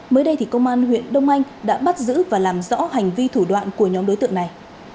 mới đây thì công an huyện đông anh đã bắt giữ và làm rõ hành vi thủ đoạn của nhóm đối tượng này